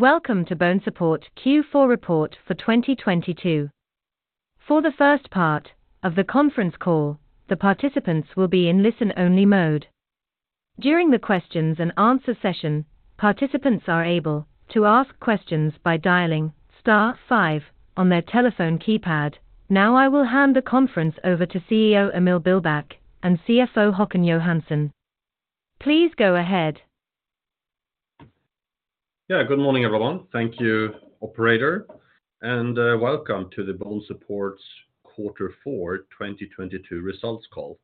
Welcome to BONESUPPORT Q4 report for 2022. For the first part of the conference call, the participants will be in listen-only mode. During the questions and answer session, participants are able to ask questions by dialing star five on their telephone keypad. Now, I will hand the conference over to CEO Emil Billbäck and CFO Håkan Johansson. Please go ahead. Good morning, everyone. Thank you, operator, and welcome to the BONESUPPORT Q4 2022 results call.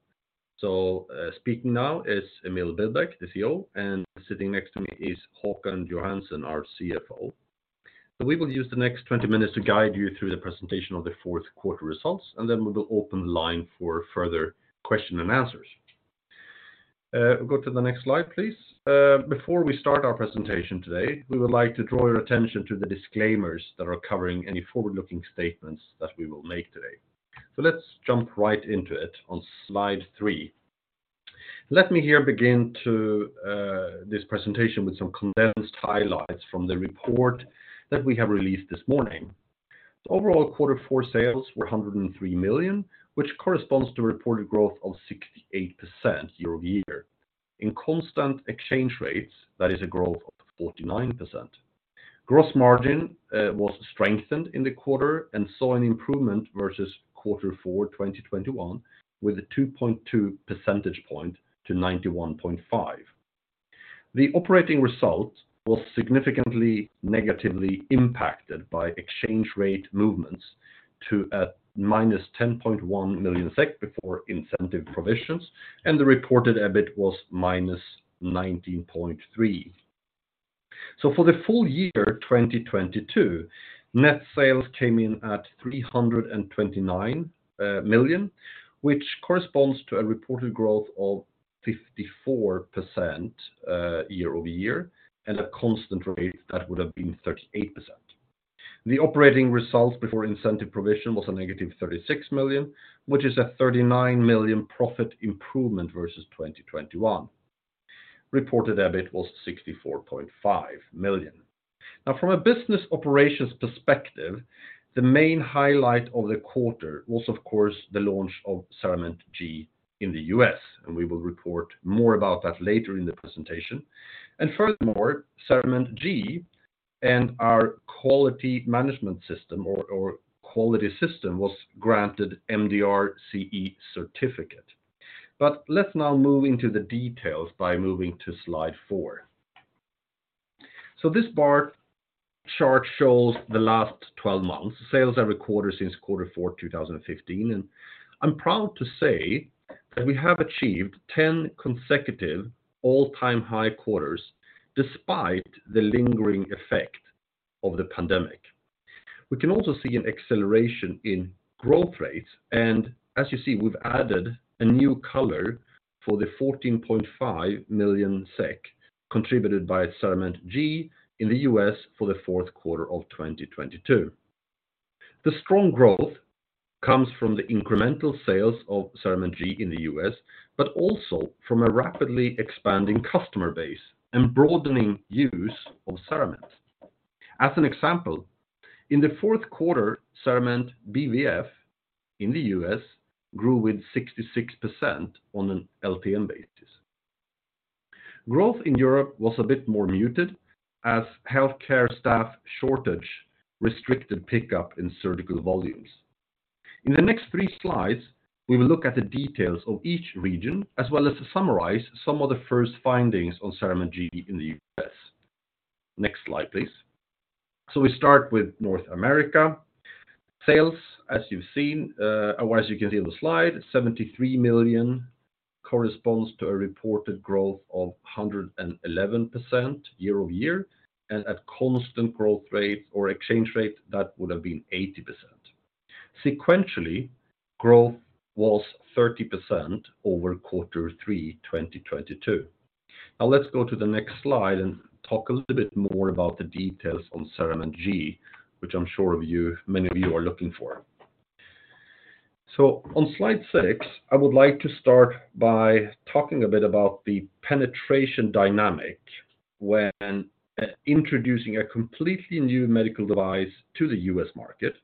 Speaking now is Emil Billbäck, the CEO, and sitting next to me is Håkan Johansson, our CFO. We will use the next 20 minutes to guide you through the presentation of the fourth quarter results, and then we will open the line for further question and answers. Go to the next slide, please. Before we start our presentation today, we would like to draw your attention to the disclaimers that are covering any forward-looking statements that we will make today. Let's jump right into it on slide three. Let me here begin to this presentation with some condensed highlights from the report that we have released this morning. Overall, quarter four sales were 103 million, which corresponds to a reported growth of 68% year-over-year. In constant exchange rates, that is a growth of 49%. Gross margin was strengthened in the quarter and saw an improvement versus quarter four 2021 with a 2.2 percentage point to 91.5%. The operating result was significantly negatively impacted by exchange rate movements to -10.1 million SEK before incentive provisions, and the reported EBIT was -19.3 million. For the full year 2022, net sales came in at 329 million, which corresponds to a reported growth of 54% year-over-year, and a constant rate that would have been 38%. The operating results before incentive provision was a negative 36 million, which is a 39 million profit improvement versus 2021. Reported EBIT was 64.5 million. From a business operations perspective, the main highlight of the quarter was of course the launch of CERAMENT G in the U.S., and we will report more about that later in the presentation. Furthermore, CERAMENT G and our quality management system or quality system was granted MDR CE certificate. Let's now move into the details by moving to slide four. This bar chart shows the last 12 months, sales every quarter since quarter four 2015. I'm proud to say that we have achieved 10 consecutive all-time high quarters despite the lingering effect of the pandemic. We can also see an acceleration in growth rates. As you see, we've added a new color for the 14.5 million SEK contributed by CERAMENT G in the U.S. for the fourth quarter of 2022. The strong growth comes from the incremental sales of CERAMENT G in the U.S., but also from a rapidly expanding customer base and broadening use of CERAMENT. As an example, in the fourth quarter, CERAMENT BVF in the U.S. grew with 66% on an LTM basis. Growth in Europe was a bit more muted as healthcare staff shortage restricted pickup in surgical volumes. In the next three slides, we will look at the details of each region, as well as to summarize some of the first findings on CERAMENT G in the U.S. Next slide, please. We start with North America. Sales, as you've seen, or as you can see on the slide, 73 million corresponds to a reported growth of 111% year-over-year, and at constant growth rate or exchange rate, that would have been 80%. Sequentially, growth was 30% over Q3 2022. Let's go to the next slide and talk a little bit more about the details on CERAMENT G, which I'm sure many of you are looking for. On slide six, I would like to start by talking a bit about the penetration dynamic when introducing a completely new medical device to the U.S. market.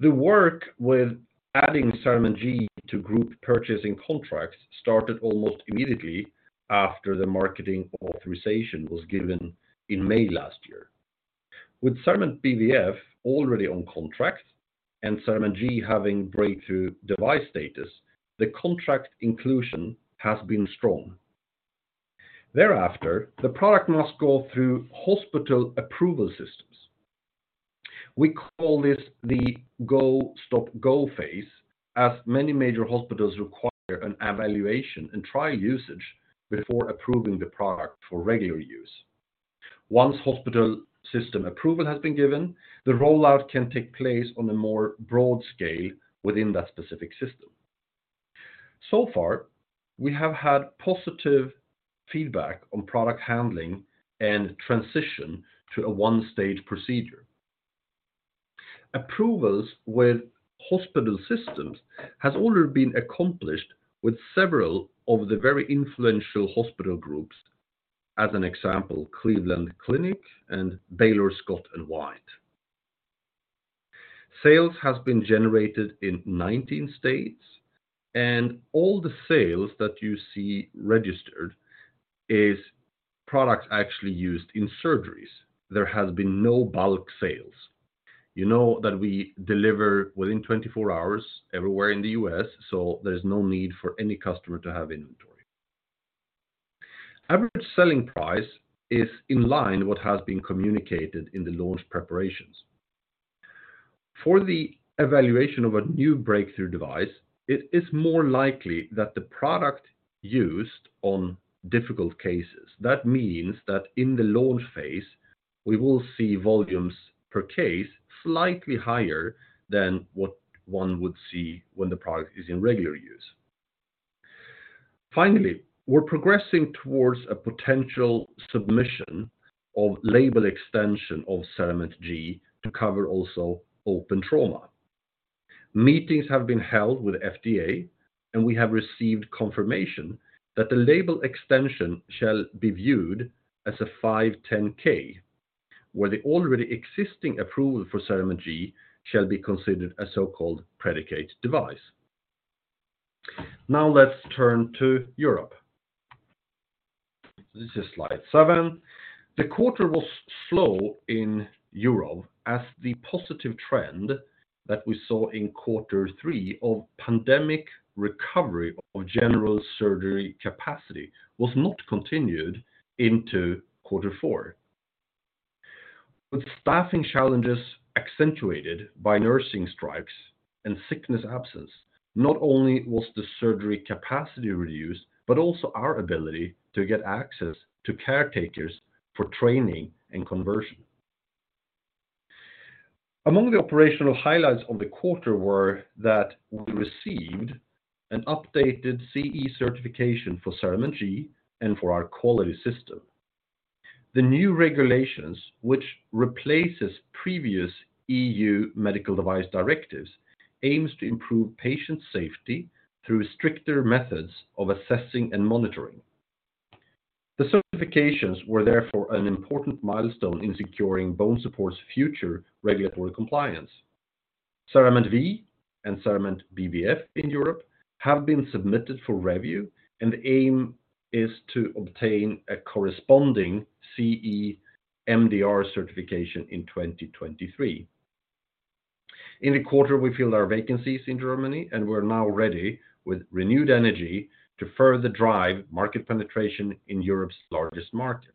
The work with adding CERAMENT G to group purchasing contracts started almost immediately after the marketing authorization was given in May last year. With CERAMENT BVF already on contract and CERAMENT G having breakthrough device status, the contract inclusion has been strong. Thereafter, the product must go through hospital approval systems. We call this the go, stop, go phase, as many major hospitals require an evaluation and trial usage before approving the product for regular use. Once hospital system approval has been given, the rollout can take place on a more broad scale within that specific system. Far, we have had positive feedback on product handling and transition to a one-stage procedure. Approvals with hospital systems has already been accomplished with several of the very influential hospital groups, as an example, Cleveland Clinic and Baylor Scott & White. Sales has been generated in 19 states, and all the sales that you see registered is products actually used in surgeries. There has been no bulk sales. You know that we deliver within 24 hours everywhere in the U.S., there's no need for any customer to have inventory. Average selling price is in line what has been communicated in the launch preparations. For the evaluation of a new breakthrough device, it is more likely that the product used on difficult cases. Means that in the launch phase, we will see volumes per case slightly higher than what one would see when the product is in regular use. Finally, we're progressing towards a potential submission of label extension of CERAMENT G to cover also open trauma. Meetings have been held with FDA, we have received confirmation that the label extension shall be viewed as a 510(K), where the already existing approval for CERAMENT G shall be considered a so-called predicate device. Let's turn to Europe. This is slide seven. The quarter was slow in Europe as the positive trend that we saw in quarter three of pandemic recovery of general surgery capacity was not continued into quarter four. With staffing challenges accentuated by nursing strikes and sickness absence, not only was the surgery capacity reduced, but also our ability to get access to caretakers for training and conversion. Among the operational highlights of the quarter were that we received an updated CE certification for CERAMENT G and for our quality system. The new regulations, which replaces previous EU Medical Device Directives, aims to improve patient safety through stricter methods of assessing and monitoring. The certifications were therefore an important milestone in securing BONESUPPORT's future regulatory compliance. CERAMENT V and CERAMENT BVF in Europe have been submitted for review and the aim is to obtain a corresponding CE MDR certification in 2023. In the quarter, we filled our vacancies in Germany. We're now ready with renewed energy to further drive market penetration in Europe's largest market.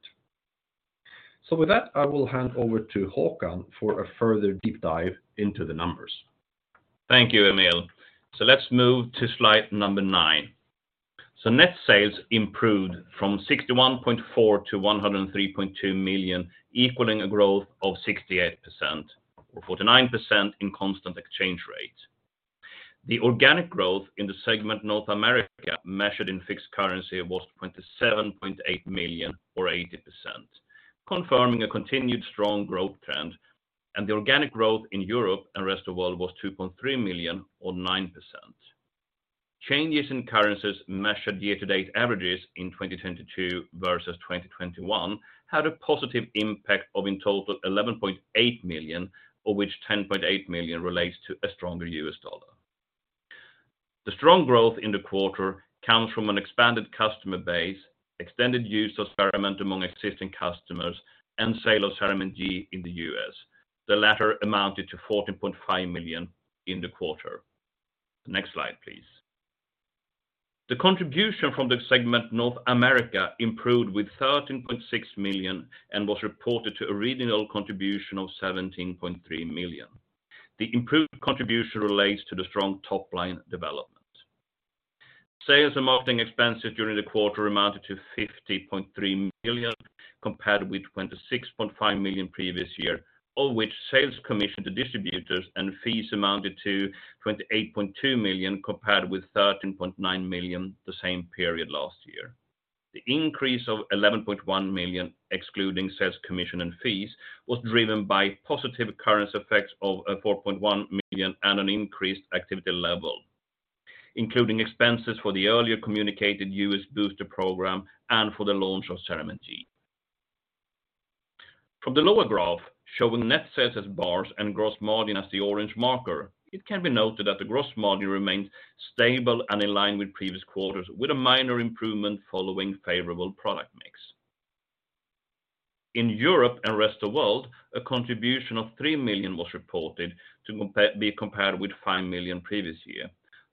With that, I will hand over to Håkan for a further deep dive into the numbers. Thank you, Emil. Let's move to slide number nine. Net sales improved from 61.4 million to 103.2 million, equaling a growth of 68% or 49% in constant exchange rate. The organic growth in the segment North America, measured in fixed currency, was 27.8 million or 80%, confirming a continued strong growth trend. The organic growth in Europe and rest of world was 2.3 million or 9%. Changes in currencies measured year-to-date averages in 2022 versus 2021 had a positive impact of in total 11.8 million, of which 10.8 million relates to a stronger U.S. Dollar. The strong growth in the quarter comes from an expanded customer base, extended use of CERAMENT among existing customers, and sale of CERAMENT G in the U.S. The latter amounted to 14.5 million in the quarter. Next slide, please. The contribution from the segment North America improved with 13.6 million and was reported to a regional contribution of 17.3 million. The improved contribution relates to the strong top-line development. Sales and marketing expenses during the quarter amounted to 50.3 million, compared with 26.5 million previous year, of which sales commission to distributors and fees amounted to 28.2 million compared with 13.9 million the same period last year. The increase of 11.1 million, excluding sales commission and fees, was driven by positive currency effects of 4.1 million and an increased activity level, including expenses for the earlier communicated U.S. booster program and for the launch of CERAMENT G. From the lower graph, showing net sales as bars and gross margin as the orange marker, it can be noted that the gross margin remains stable and in line with previous quarters, with a minor improvement following favorable product mix. In Europe and rest of world, a contribution of 3 million was reported to be compared with 5 million previous year.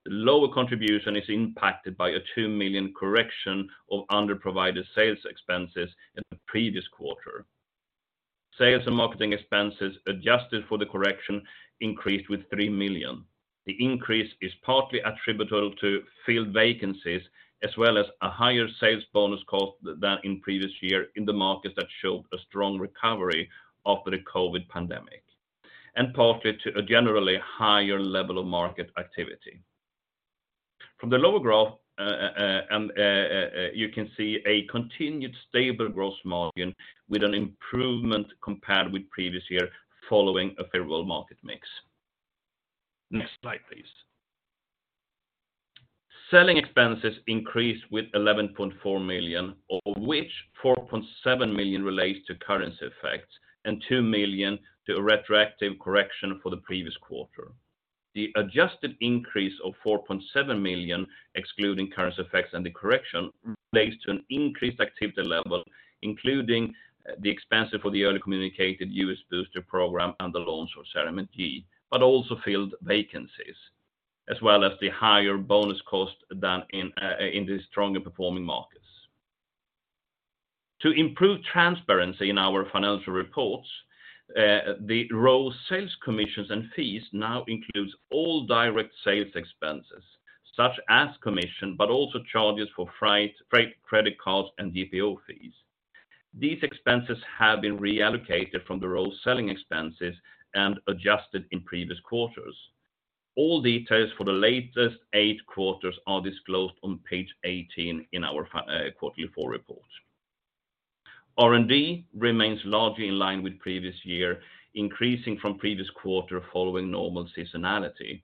The lower contribution is impacted by a 2 million correction of underprovided sales expenses in the previous quarter. Sales and marketing expenses adjusted for the correction increased with 3 million. The increase is partly attributable to field vacancies as well as a higher sales bonus cost than in previous year in the markets that showed a strong recovery after the COVID pandemic, and partly to a generally higher level of market activity. From the lower growth, you can see a continued stable gross margin with an improvement compared with previous year following a favorable market mix. Next slide, please. Selling expenses increased with 11.4 million, of which 4.7 million relates to currency effects and 2 million to a retroactive correction for the previous quarter. The adjusted increase of 4.7 million, excluding currency effects and the correction, relates to an increased activity level, including the expense for the early communicated U.S. booster program and the launch of CERAMENT G, but also filled vacancies, as well as the higher bonus cost than in the stronger performing markets. To improve transparency in our financial reports, the role sales commissions and fees now includes all direct sales expenses, such as commission, but also charges for freight, credit cards, and DPO fees. These expenses have been reallocated from the role selling expenses and adjusted in previous quarters. All details for the latest 8 quarters are disclosed on page 18 in our quarter four report. R&D remains largely in line with previous year, increasing from previous quarter following normal seasonality.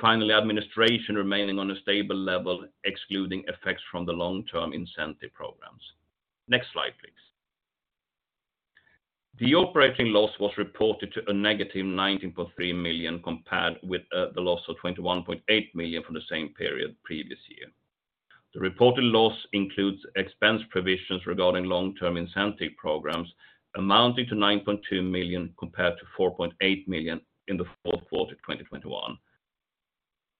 Finally, administration remaining on a stable level, excluding effects from the long-term incentive programs. Next slide, please. The operating loss was reported to a -19.3 million compared with the loss of 21.8 million from the same period previous year. The reported loss includes expense provisions regarding long-term incentive programs amounting to 9.2 million compared to 4.8 million in the fourth quarter, 2021.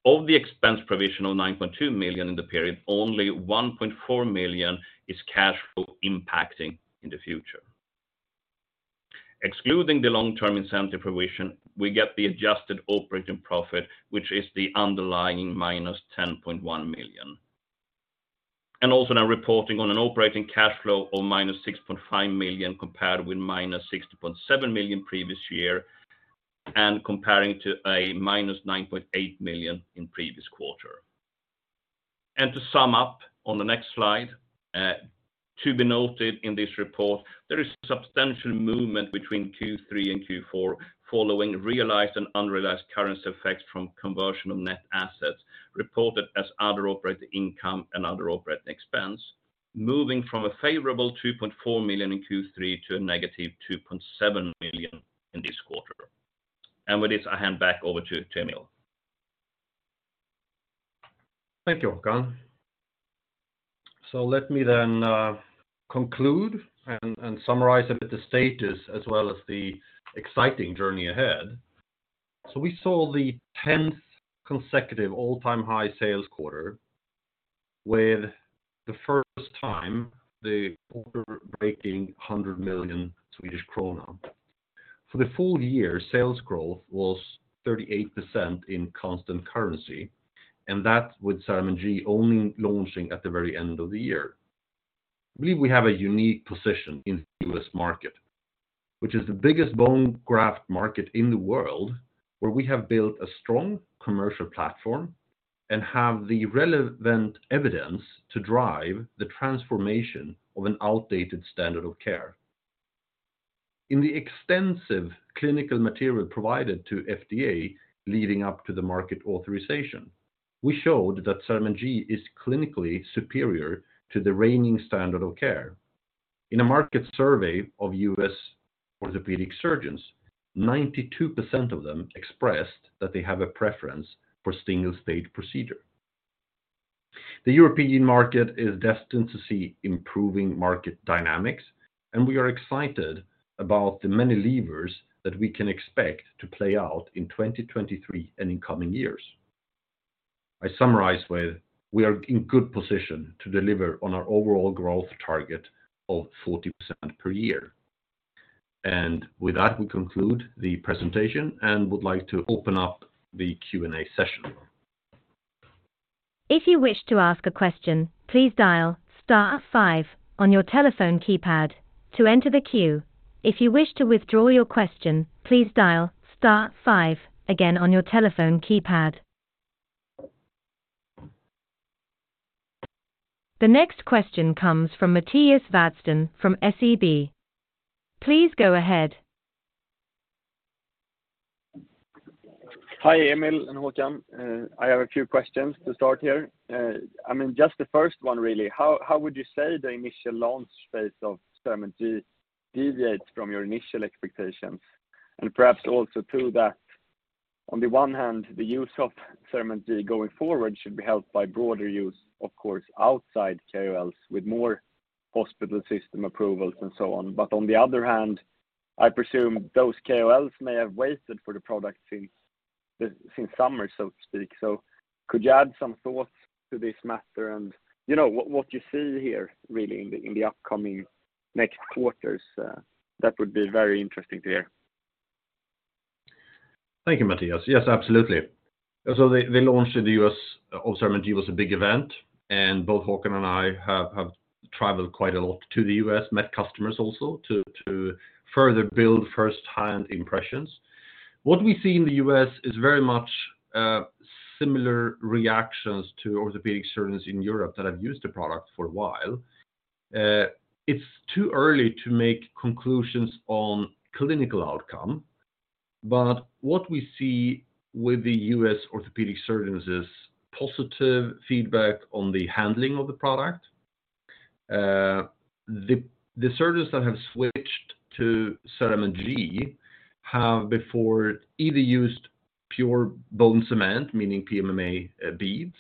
Of the expense provision of 9.2 million in the period, only 1.4 million is cash flow impacting in the future. Excluding the long-term incentive provision, we get the adjusted operating profit, which is the underlying -10.1 million. Also now reporting on an operating cash flow of -6.5 million compared with -60.7 million previous year, comparing to a -9.8 million in previous quarter. To sum up on the next slide, to be noted in this report, there is substantial movement between Q3 and Q4 following realized and unrealized currency effects from conversion of net assets reported as other operating income and other operating expense, moving from a favorable 2.4 million in Q3 to a -2.7 million in this quarter. With this, I hand back over to Emil. Thank you, Håkan. Let me then conclude and summarize a bit the status as well as the exciting journey ahead. We saw the 10th consecutive all-time high sales quarter, with the first time the order breaking 100 million Swedish kronor. For the full year, sales growth was 38% in constant currency, and that with CERAMENT G only launching at the very end of the year. I believe we have a unique position in the U.S. market, which is the biggest bone graft market in the world, where we have built a strong commercial platform and have the relevant evidence to drive the transformation of an outdated standard of care. In the extensive clinical material provided to FDA leading up to the market authorization, we showed that CERAMENT G is clinically superior to the reigning standard of care. In a market survey of U.S. orthopedic surgeons, 92% of them expressed that they have a preference for single-stage procedure. The European market is destined to see improving market dynamics, we are excited about the many levers that we can expect to play out in 2023 and in coming years. I summarize with we are in good position to deliver on our overall growth target of 40% per year. With that, we conclude the presentation and would like to open up the Q&A session. If you wish to ask a question, please dial star five on your telephone keypad to enter the queue. If you wish to withdraw your question, please dial star five again on your telephone keypad. The next question comes from Mattias Vadsten from SEB. Please go ahead. Hi, Emil and Håkan. I have a few questions to start here. I mean, just the first one, really. How, how would you say the initial launch phase of CERAMENT G deviates from your initial expectations? Perhaps also to that, on the one hand, the use of CERAMENT G going forward should be helped by broader use, of course, outside KOLs with more hospital system approvals and so on. On the other hand, I presume those KOLs may have waited for the product since summer, so to speak. Could you add some thoughts to this matter? You know, what you see here really in the, in the upcoming next quarters? That would be very interesting to hear. Thank you, Mattias. Yes, absolutely. The launch in the U.S. of CERAMENT G was a big event, and both Håkan and I have traveled quite a lot to the U.S., met customers also to further build first-hand impressions. What we see in the U.S. is very much similar reactions to orthopedic surgeons in Europe that have used the product for a while. It's too early to make conclusions on clinical outcome. What we see with the U.S. orthopedic surgeons is positive feedback on the handling of the product. The surgeons that have switched to CERAMENT G have before either used pure bone cement, meaning PMMA beads,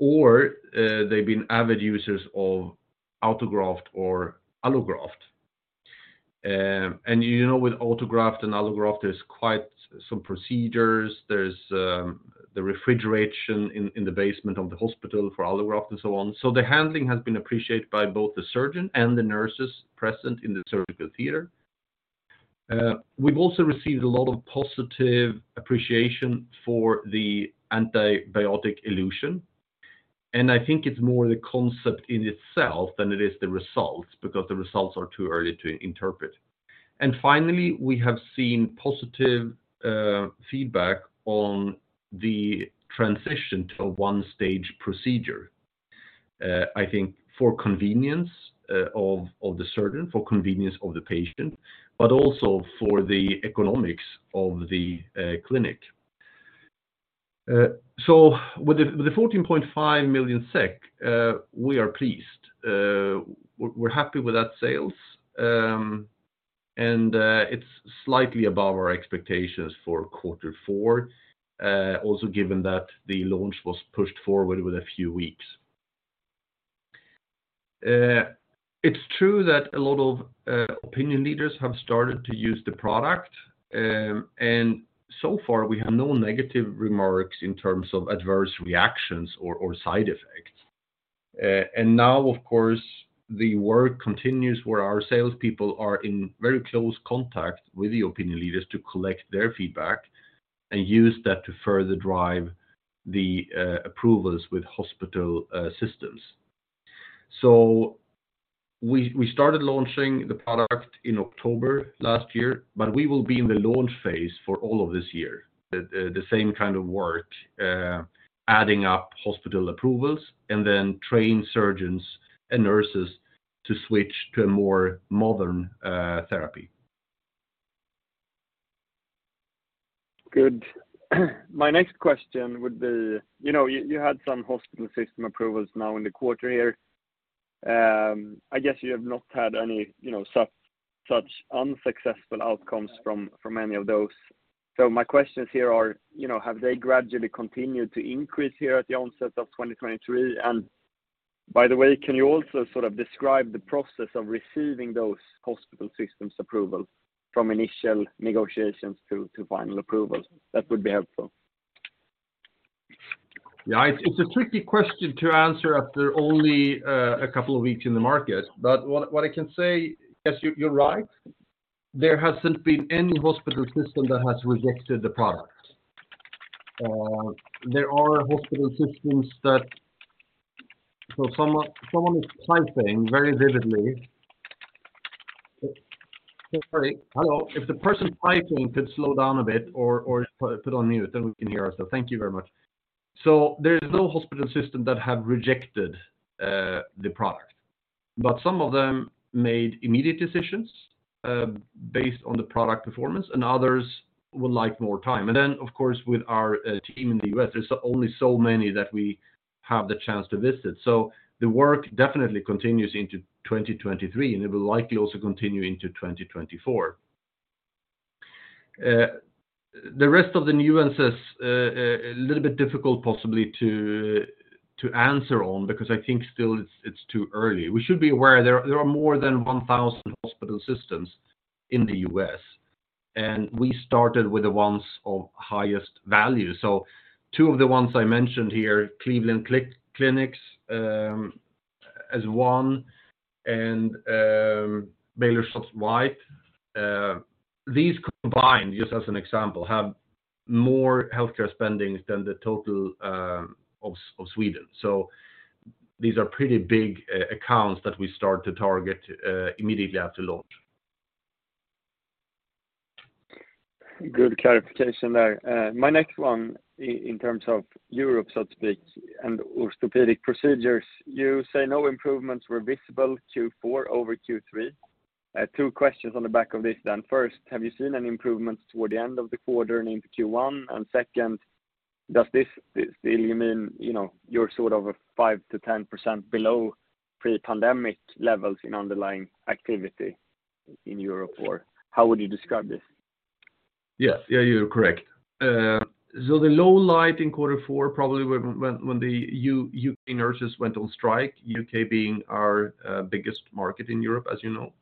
or they've been avid users of autograft or allograft. You know, with autograft and allograft, there's quite some procedures. There's the refrigeration in the basement of the hospital for allograft and so on. The handling has been appreciated by both the surgeon and the nurses present in the surgical theater. We've also received a lot of positive appreciation for the antibiotic elution. I think it's more the concept in itself than it is the results, because the results are too early to interpret. Finally, we have seen positive feedback on the transition to a one-stage procedure. I think for convenience of the surgeon, for convenience of the patient, but also for the economics of the clinic. With the 14.5 million SEK, we are pleased. We're happy with that sales. It's slightly above our expectations for quarter four, also given that the launch was pushed forward with a few weeks. It's true that a lot of opinion leaders have started to use the product. So far, we have no negative remarks in terms of adverse reactions or side effects. Now, of course, the work continues where our salespeople are in very close contact with the opinion leaders to collect their feedback and use that to further drive the approvals with hospital systems. We started launching the product in October last year, but we will be in the launch phase for all of this year. The same kind of work, adding up hospital approvals and then train surgeons and nurses to switch to a more modern therapy. Good. My next question would be, you know, you had some hospital system approvals now in the quarter here. I guess you have not had any, you know, such unsuccessful outcomes from any of those. My questions here are, you know, have they gradually continued to increase here at the onset of 2023? By the way, can you also sort of describe the process of receiving those hospital systems approval from initial negotiations to final approval? That would be helpful. It's a tricky question to answer after only a couple of weeks in the market. What I can say, yes, you're right. There hasn't been any hospital system that has rejected the product. There are hospital systems that. Someone is typing very vividly. Sorry. Hello. If the person typing could slow down a bit or put on mute, then we can hear ourselves. Thank you very much. There's no hospital system that have rejected the product. Some of them made immediate decisions based on the product performance, and others would like more time. Of course, with our team in the U.S., there's only so many that we have the chance to visit. The work definitely continues into 2023, and it will likely also continue into 2024. The rest of the nuances, a little bit difficult possibly to answer on because I think still it's too early. We should be aware there are more than 1,000 hospital systems in the U.S., and we started with the ones of highest value. Two of the ones I mentioned here, Cleveland Clinic, as one and, Baylor Scott & White. These combined, just as an example, have more healthcare spendings than the total of Sweden. These are pretty big accounts that we start to target immediately after launch. Good clarification there. My next one in terms of Europe, so to speak, and orthopedic procedures, you say no improvements were visible Q4 over Q3. Two questions on the back of this then. First, have you seen any improvements toward the end of the quarter and into Q1? Second, does this still mean, you know, you're sort of 5%-10% below pre-pandemic levels in underlying activity in Europe, or how would you describe this? Yes. Yeah, you're correct. The low light in quarter four probably when the U.K. nurses went on strike, U.K. being our biggest market in Europe, as you know.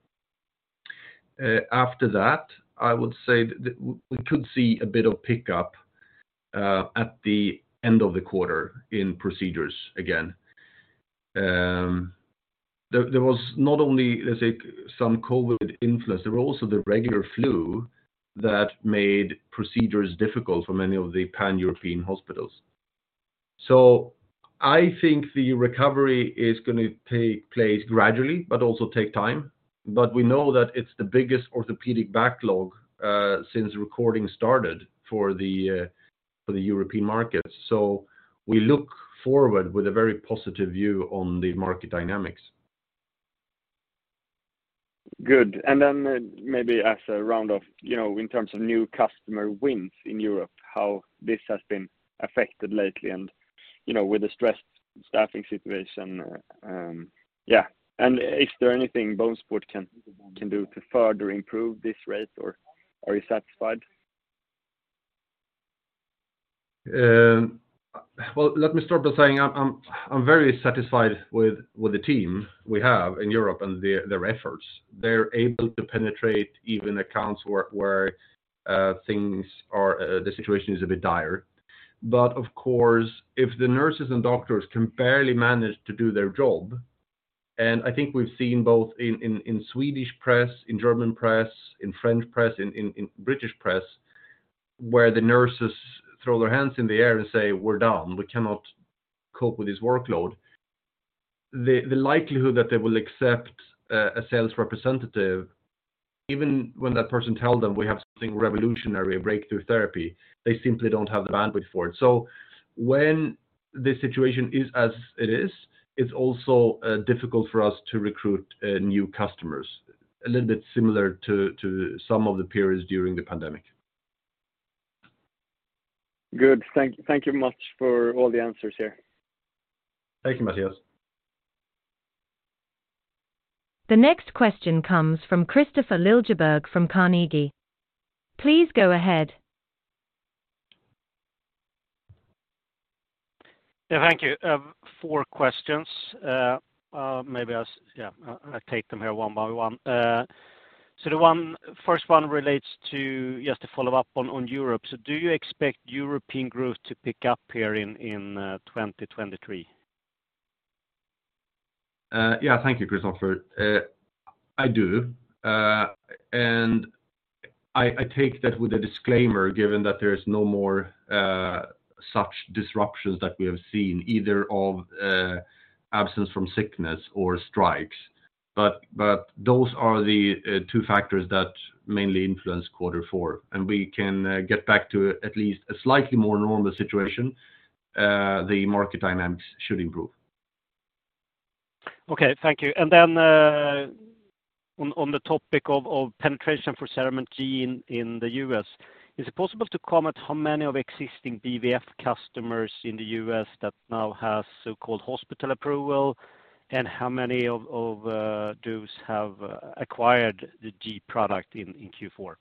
After that, I would say that we could see a bit of pickup at the end of the quarter in procedures again. There was not only, let's say, some COVID influence, there was also the regular flu that made procedures difficult for many of the Pan-European hospitals. I think the recovery is gonna take place gradually, but also take time. We know that it's the biggest orthopedic backlog since recording started for the European market. We look forward with a very positive view on the market dynamics. Good. Then maybe as a round-off, you know, in terms of new customer wins in Europe, how this has been affected lately and, you know, with the stressed staffing situation, yeah? Is there anything BONESUPPORT can do to further improve this rate, or are you satisfied? Well, let me start by saying I'm very satisfied with the team we have in Europe and their efforts. They're able to penetrate even accounts where things are, the situation is a bit dire. Of course, if the nurses and doctors can barely manage to do their job, and I think we've seen both in Swedish press, in German press, in French press, in British press, where the nurses throw their hands in the air and say, "We're done. We cannot cope with this workload. The likelihood that they will accept a sales representative, even when that person tell them we have something revolutionary, a breakthrough therapy, they simply don't have the bandwidth for it. When the situation is as it is, it's also difficult for us to recruit new customers, a little bit similar to some of the periods during the pandemic. Good. Thank you much for all the answers here. Thank you, Mattias. The next question comes from Kristofer Liljeberg from Carnegie. Please go ahead. Yeah, thank you. Four questions. maybe I'll take them here one by one. The first one relates to just to follow up on Europe. Do you expect European growth to pick up here in 2023? Yeah. Thank you, Kristofer. I do. I take that with a disclaimer, given that there's no more such disruptions that we have seen either of absence from sickness or strikes. Those are the two factors that mainly influence quarter four. We can get back to at least a slightly more normal situation, the market dynamics should improve. Okay, thank you. On the topic of penetration for CERAMENT G in the U.S., is it possible to comment how many of existing BVF customers in the U.S. that now have so-called hospital approval and how many of those have acquired the G product in Q4?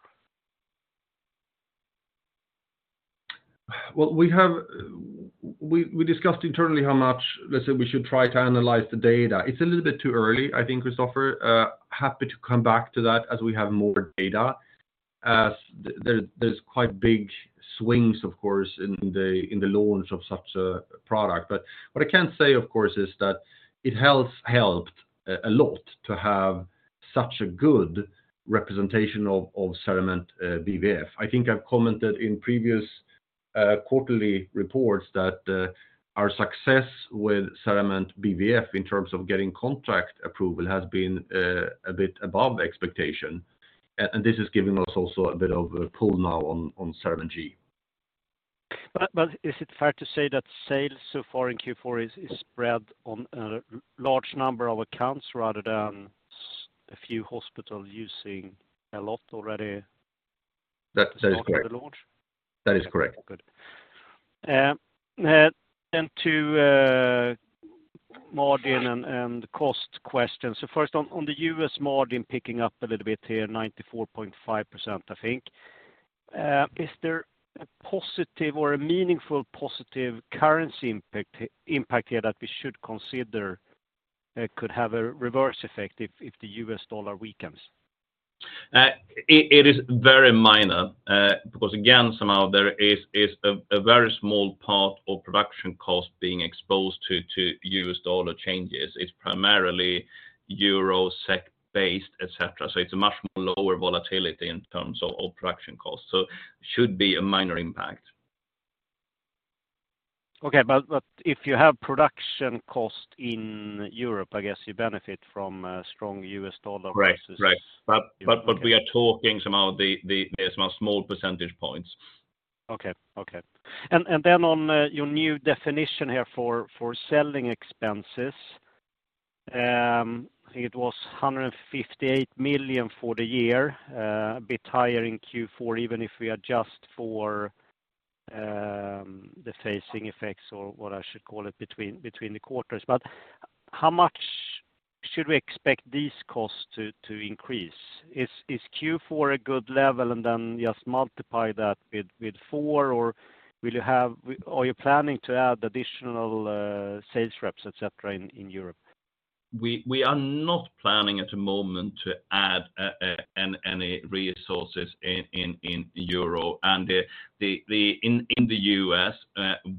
Well, we discussed internally how much, let's say, we should try to analyze the data. It's a little bit too early, I think, Kristofer. Happy to come back to that as we have more data, as there's quite big swings, of course, in the launch of such a product. What I can say, of course, is that it helped a lot to have such a good representation of CERAMENT BVF. I think I've commented in previous quarterly reports that our success with CERAMENT BVF in terms of getting contract approval has been a bit above expectation. This is giving us also a bit of a pull now on CERAMENT G. But is it fair to say that sales so far in Q4 is spread on a large number of accounts rather than a few hospitals using a lot already? That is correct. At the start of the launch? That is correct. Good. To margin and cost questions. First on the U.S. Margin picking up a little bit here, 94.5%, I think. Is there a positive or a meaningful positive currency impact here that we should consider, could have a reverse effect if the U.S. dollar weakens? It is very minor because again, somehow there is a very small part of production cost being exposed to U.S. dollar changes. It's primarily Euro, SEK-based, etc. It's a much more lower volatility in terms of production costs. Should be a minor impact. Okay. If you have production cost in Europe, I guess you benefit from a strong U.S. dollar versus. Right. Right. Okay. We are talking somehow there's more small percentage points. Okay. Okay. Then on your new definition here for selling expenses, it was 158 million for the year, a bit higher in Q4, even if we adjust for the phasing effects or what I should call it between the quarters. How much should we expect these costs to increase? Is, is Q4 a good level and then just multiply that with four, or are you planning to add additional sales reps, etc., in Europe? We are not planning at the moment to add any resources in Europe. In the U.S.,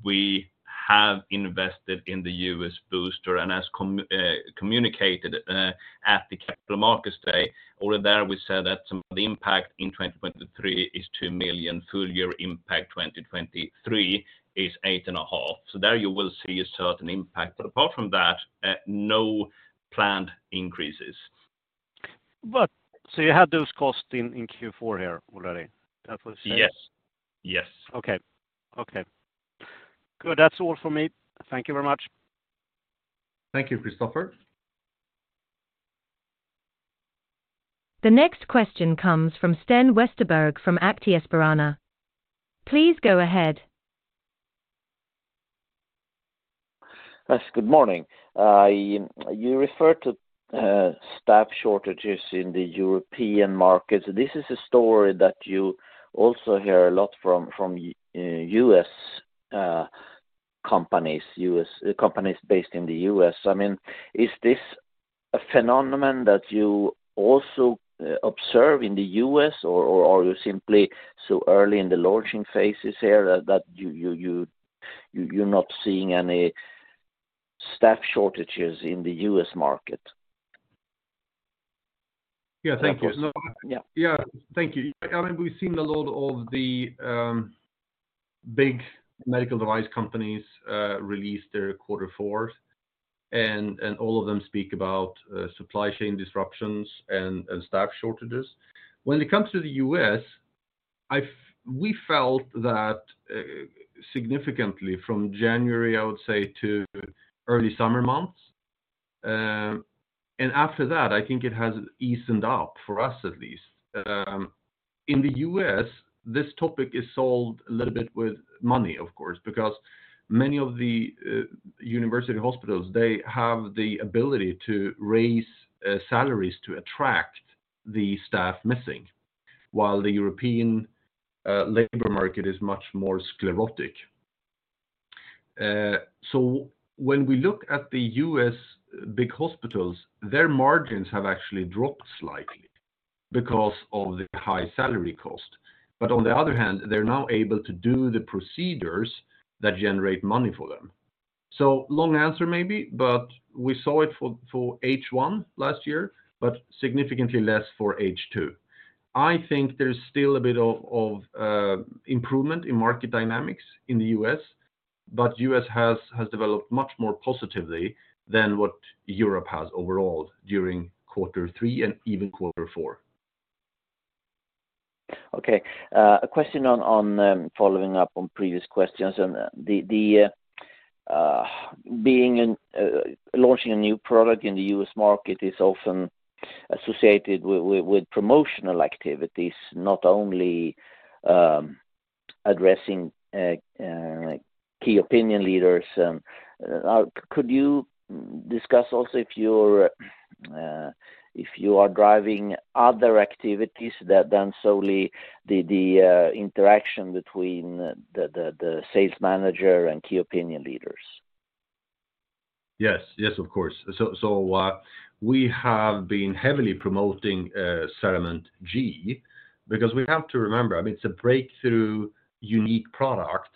we have invested in the U.S. Booster and has communicated at the capital markets day. Over there, we said that some of the impact in 2023 is $2 million, full year impact 2023 is $8.5 million. There you will see a certain impact, but apart from that, no planned increases. You had those costs in Q4 here already? That was the case. Yes. Yes. Okay. Okay. Good. That's all for me. Thank you very much. Thank you, Christopher. The next question comes from Sten Westerberg from Aktiespararna. Please go ahead. Yes, good morning. You refer to staff shortages in the European markets. This is a story that you also hear a lot from U.S. companies based in the U.S.. I mean, is this a phenomenon that you also observe in the U.S., or you simply so early in the launching phases here that you're not seeing any staff shortages in the U.S. market? Yeah. Thank you. Of course. Yeah. Yeah. Thank you. I mean, we've seen a lot of the big medical device companies release their quarter fours, and all of them speak about supply chain disruptions and staff shortages. When it comes to the U.S., we felt that significantly from January, I would say, to early summer months. After that, I think it has eased up for us at least. In the U.S., this topic is solved a little bit with money, of course, because many of the university hospitals, they have the ability to raise salaries to attract the staff missing, while the European labor market is much more sclerotic. When we look at the U.S. big hospitals, their margins have actually dropped slightly because of the high salary cost. On the other hand, they're now able to do the procedures that generate money for them. Long answer maybe, but we saw it for H1 last year, but significantly less for H2. I think there's still a bit of improvement in market dynamics in the U.S., but U.S. has developed much more positively than what Europe has overall during quarter three and even quarter four. Okay. A question on following up on previous questions and launching a new product in the U.S. market is often associated with promotional activities, not only addressing key opinion leaders. Could you discuss also if you're if you are driving other activities than solely the interaction between the sales manager and key opinion leaders? Yes. Yes, of course. We have been heavily promoting CERAMENT G because we have to remember, I mean, it's a breakthrough, unique product,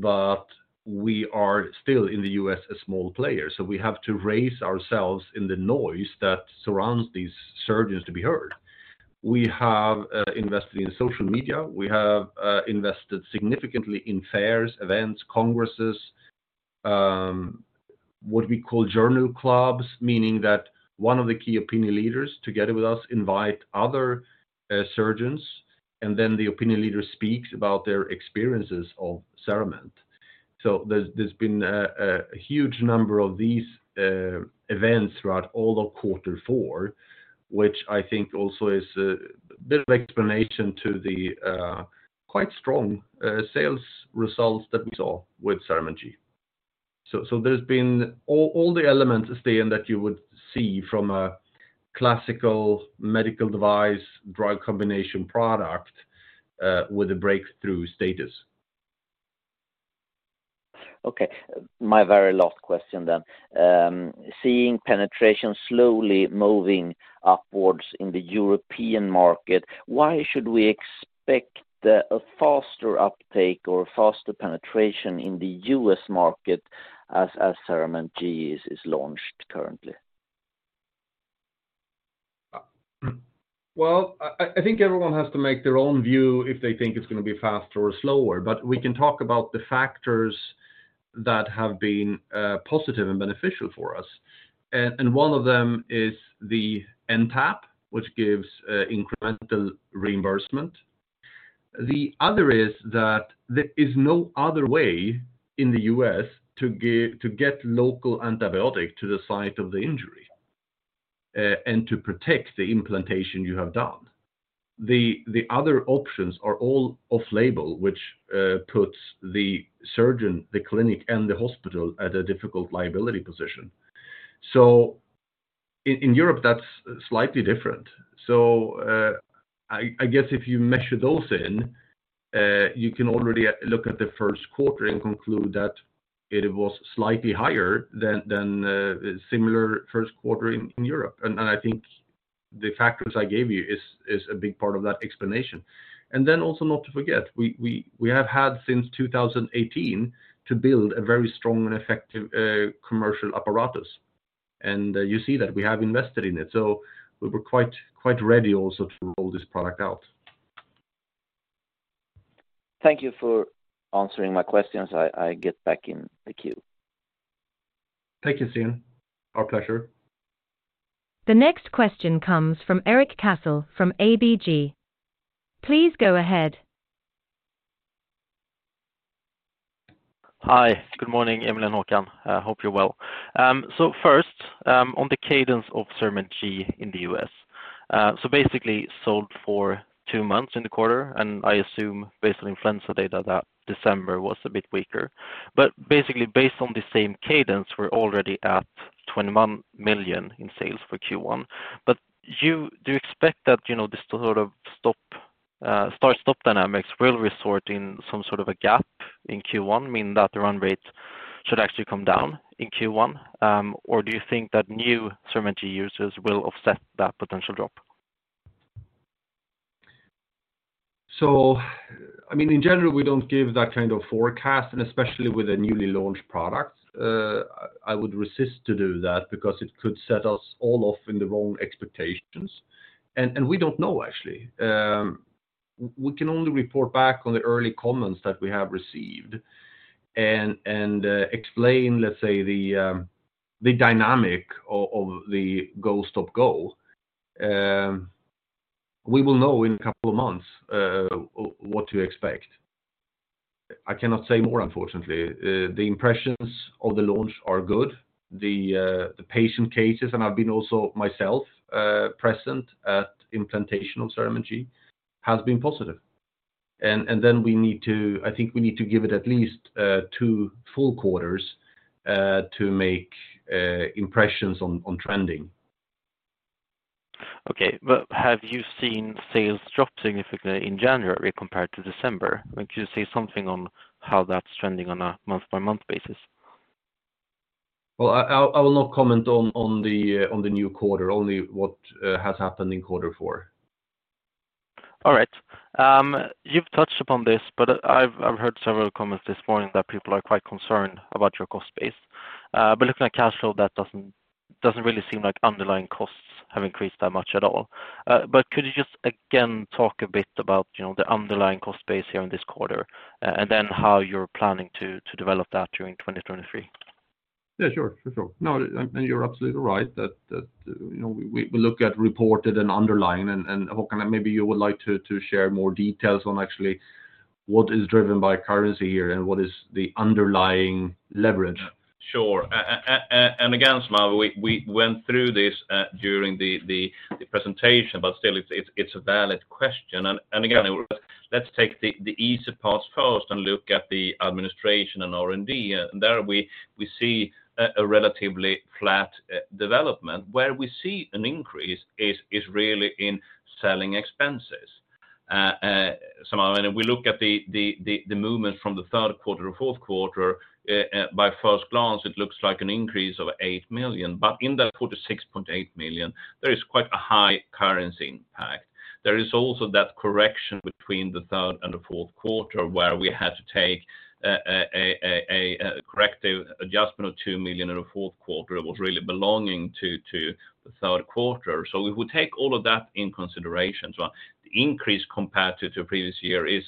but we are still in the US a small player. We have to raise ourselves in the noise that surrounds these surgeons to be heard. We have invested in social media. We have invested significantly in fairs, events, congresses, what we call journal clubs, meaning that one of the key opinion leaders together with us invite other surgeons, and then the opinion leader speaks about their experiences of CERAMENT. There's been a huge number of these events throughout all of quarter four, which I think also is bit of explanation to the quite strong sales results that we saw with CERAMENT G. There's been all the elements, Sten, that you would see from a classical medical device drug combination product with a breakthrough status. My very last question then. Seeing penetration slowly moving upwards in the European market, why should we expect a faster uptake or faster penetration in the U.S. market as CERAMENT G is launched currently? Well, I think everyone has to make their own view if they think it's gonna be faster or slower. We can talk about the factors that have been positive and beneficial for us. And one of them is the NTAP, which gives incremental reimbursement. The other is that there is no other way in the U.S. To get local antibiotic to the site of the injury and to protect the implantation you have done. The other options are all off label, which puts the surgeon, the clinic, and the hospital at a difficult liability position. In Europe, that's slightly different. I guess if you measure those in, you can already look at the first quarter and conclude that it was slightly higher than similar first quarter in Europe. The factors I gave you is a big part of that explanation. Also not to forget, we have had since 2018 to build a very strong and effective commercial apparatus. You see that we have invested in it. We were quite ready also to roll this product out. Thank you for answering my questions. I get back in the queue. Thank you, Sten. Our pleasure. The next question comes from Erik Cassel from ABG. Please go ahead. Hi. Good morning, Emil and Håkan. I hope you're well. First, on the cadence of CERAMENT G in the U.S. Basically sold for 2 months in the quarter, and I assume based on influenza data that December was a bit weaker. Basically, based on the same cadence, we're already at $21 million in sales for Q1. Do you expect that, you know, this sort of stop, start-stop dynamics will result in some sort of a gap in Q1, meaning that the run rate should actually come down in Q1? Or do you think that new CERAMENT G users will offset that potential drop? I mean, in general, we don't give that kind of forecast, and especially with a newly launched product. I would resist to do that because it could set us all off in the wrong expectations. We don't know, actually. We can only report back on the early comments that we have received and explain, let's say, the dynamic of the go, stop, go. We will know in a couple of months what to expect. I cannot say more, unfortunately. The impressions of the launch are good. The patient cases, and I've been also myself present at implantational CERAMENT G, has been positive. Then I think we need to give it at least 2 full quarters to make impressions on trending. Okay. Have you seen sales drop significantly in January compared to December? Could you say something on how that's trending on a month-by-month basis? Well, I will not comment on the new quarter, only what has happened in quarter four. All right. You've touched upon this, I've heard several comments this morning that people are quite concerned about your cost base. Looking at cash flow, that doesn't really seem like underlying costs have increased that much at all. Could you just again talk a bit about, you know, the underlying cost base here in this quarter, and then how you're planning to develop that during 2023? Yeah, sure. For sure. You're absolutely right that, you know, we look at reported and underlying, and Håkan, maybe you would like to share more details on actually what is driven by currency here and what is the underlying leverage. Sure. Again, Samuel, we went through this during the presentation, but still it's a valid question. Again, let's take the easier parts first and look at the administration and R&D. There we see a relatively flat development. Where we see an increase is really in selling expenses, Samuel. If we look at the movement from the third quarter to fourth quarter, by first glance, it looks like an increase of 8 million. In that quarter 6.8 million, there is quite a high currency impact. There is also that correction between the third and the fourth quarter, where we had to take a corrective adjustment of 2 million in the fourth quarter was really belonging to the third quarter. If we take all of that in consideration, the increase compared to the previous year is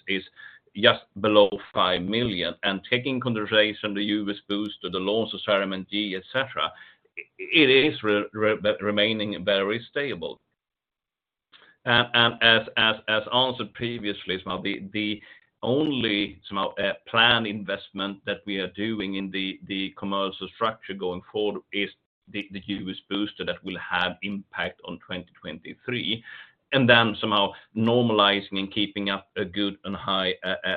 just below 5 million. Taking into consideration the US booster, the launch of CERAMENT G, et cetera, it is remaining very stable. As answered previously, Samuel, the only Samuel, plan investment that we are doing in the commercial structure going forward is the U.S. booster that will have impact on 2023, and then somehow normalizing and keeping up a good and high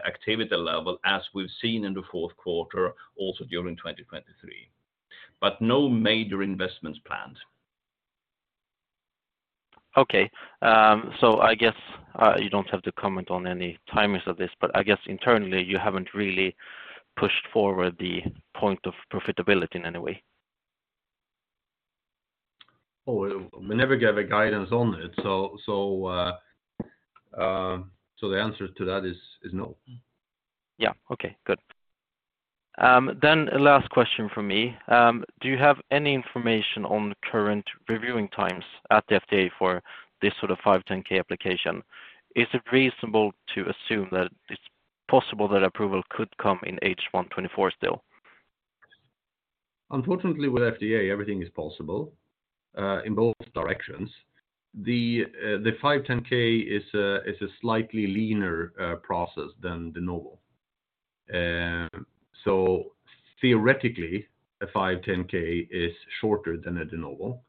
activity level as we've seen in the fourth quarter, also during 2023. No major investments planned. I guess, you don't have to comment on any timings of this, but I guess internally, you haven't really pushed forward the point of profitability in any way. Oh, we never gave a guidance on it, so the answer to that is no. Yeah. Okay. Good. Last question from me. Do you have any information on the current reviewing times at the FDA for this sort of 520(k)? Is it reasonable to assume that it's possible that approval could come in H1 2024 still? Unfortunately, with FDA, everything is possible in both directions. The 510(K) is a slightly leaner process than De Novo. Theoretically, a 510(K) is shorter than a De Novo.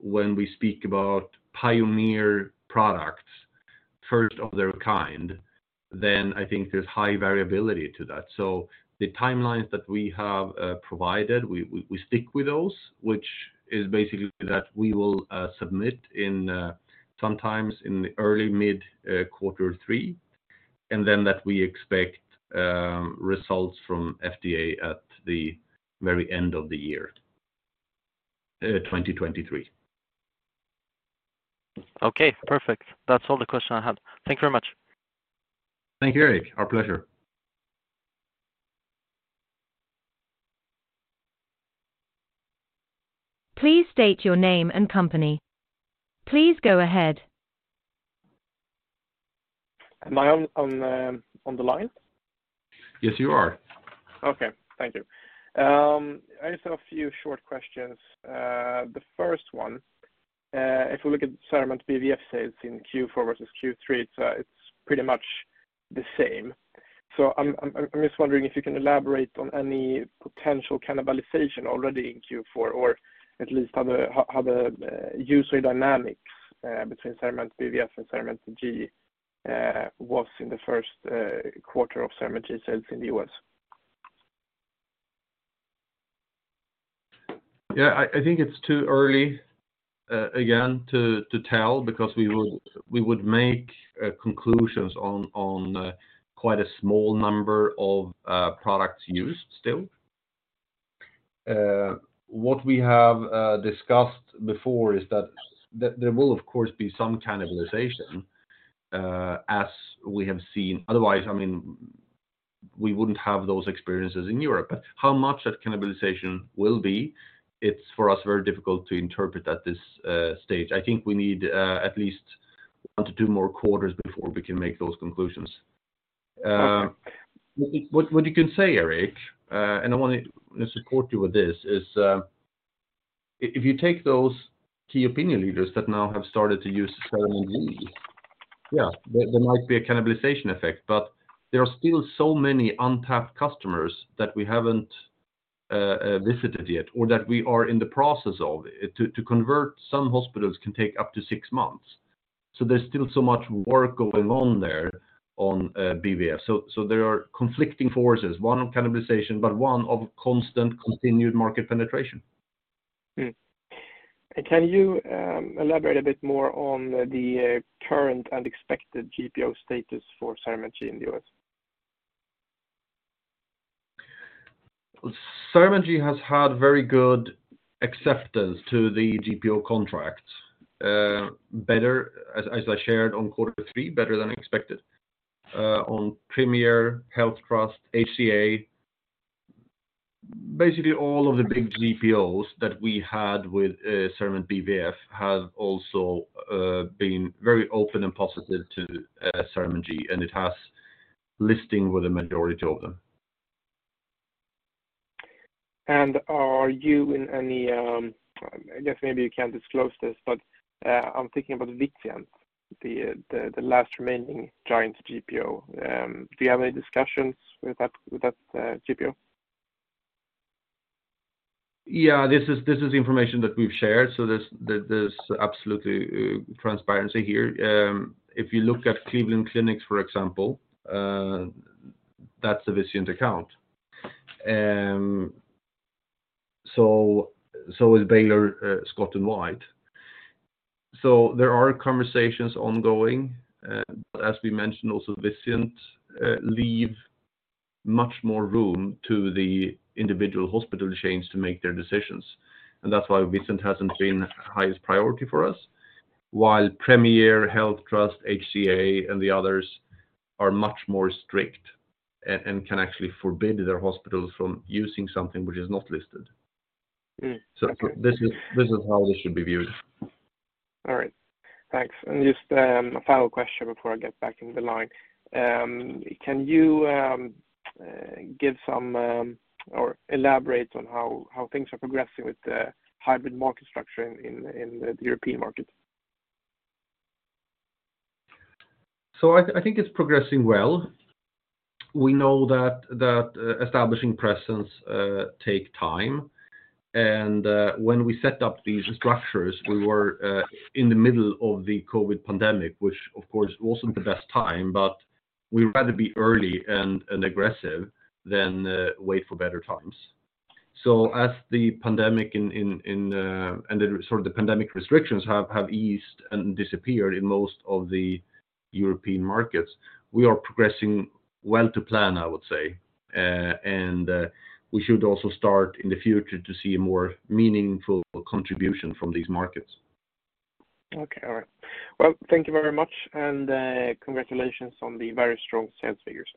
When we speak about pioneer products, first of their kind, then I think there's high variability to that. The timelines that we have provided, we stick with those, which is basically that we will submit in sometimes in early mid, quarter three. That we expect results from FDA at the very end of the year, 2023. Okay, perfect. That's all the question I had. Thank you very much. Thank you, Erik. Our pleasure. Please state your name and company. Please go ahead. Am I on the line? Yes, you are. I just have a few short questions. The first one if we look at CERAMENT BVF in Q4 versus Q3, it's pretty much the same. I'm just wondering if you can elaborate on any potential cannibalization already in Q4 or at least how the user dynamics between CERAMENT BVF and CERAMENT G was in the first quarter of CERAMENT sales in the U.S. Yeah. I think it's too early, again, to tell because we would make conclusions on quite a small number of products used still. What we have discussed before is that there will of course be some cannibalization as we have seen. Otherwise, I mean, we wouldn't have those experiences in Europe. How much that cannibalization will be, it's for us very difficult to interpret at this stage. I think we need at least one to two more quarters before we can make those conclusions. What you can say, Eric, and I wanna support you with this, is, if you take those key opinion leaders that now have started to use CERAMENT G, yeah, there might be a cannibalization effect. There are still so many untapped customers that we haven't visited yet or that we are in the process of. To convert some hospitals can take up to six months. There's still so much work going on there on BVF. There are conflicting forces, one of cannibalization, but one of constant continued market penetration. Can you elaborate a bit more on the current and expected GPO status for CERAMENT G in the U.S.? CERAMENT G has had very good acceptance to the GPO contracts, better, as I shared on quarter three, better than expected. On Premier, HealthTrust, HCA, basically all of the big GPOs that we had with CERAMENT BVF have also been very open and positive to CERAMENT G. It has listing with a majority of them. Are you in any, I guess maybe you can't disclose this, but, I'm thinking about Vizient, the last remaining giant GPO. Do you have any discussions with that GPO? This is information that we've shared, so there's absolutely transparency here. If you look at Cleveland Clinic, for example, that's a Vizient account. So is Baylor Scott & White. There are conversations ongoing. As we mentioned also, Vizient leave much more room to the individual hospital chains to make their decisions. That's why Vizient hasn't been highest priority for us, while Premier, HealthTrust, HCA, and the others are much more strict and can actually forbid their hospitals from using something which is not listed. Okay. This is how this should be viewed. All right. Thanks. Just a final question before I get back into the line. Can you give some or elaborate on how things are progressing with the hybrid market structure in the European markets? I think it's progressing well. We know that establishing presence, take time. When we set up these structures, we were in the middle of the COVID pandemic, which of course wasn't the best time, but we'd rather be early and aggressive than wait for better times. As the pandemic and the sort of the pandemic restrictions have eased and disappeared in most of the European markets, we are progressing well to plan, I would say. And we should also start in the future to see a more meaningful contribution from these markets. Okay. All right. Well, thank you very much. Congratulations on the very strong sales figures.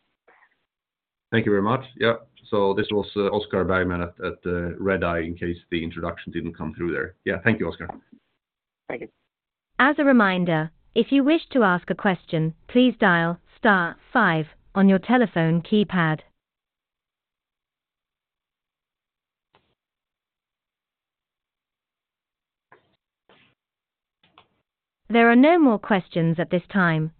Thank you very much. This was Oscar Bergman at Redeye in case the introduction didn't come through there. Thank you, Oscar. Thank you. As a reminder, if you wish to ask a question, please dial star five on your telephone keypad. There are no more questions at this time.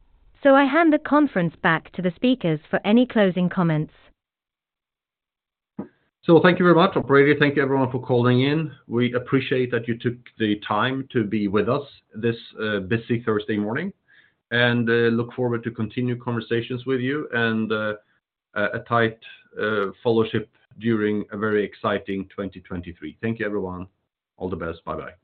I hand the conference back to the speakers for any closing comments. Thank you very much, operator. Thank you everyone for calling in. We appreciate that you took the time to be with us this busy Thursday morning, and look forward to continued conversations with you and a tight follow-ship during a very exciting 2023. Thank you, everyone. All the best. Bye-bye.